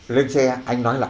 lên xe anh nói là